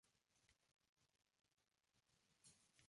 Su hocico es moderadamente largo, y el melón es ligeramente convexo.